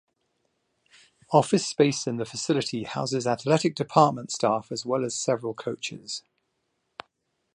Office space in the facility houses athletic department staff as well as several coaches.